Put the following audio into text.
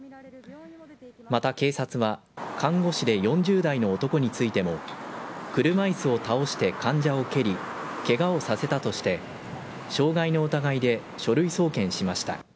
また警察は、看護師で４０代の男についても、車いすを倒して、患者を蹴り、けがをさせたとして、傷害の疑いで書類送検しました。